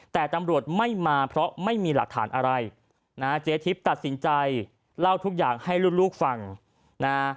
แต่ตำรวจไม่มาเพราะไม่มีหลักฐานอะไรนะเจ๊ทิพย์ตัดสินใจเล่าทุกอย่างให้ลูกฟังนะ